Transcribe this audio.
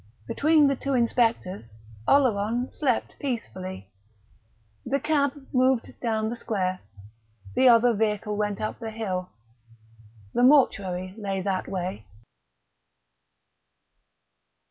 Between the two inspectors Oleron slept peacefully. The cab moved down the square, the other vehicle went up the hill. The mortuary lay that way.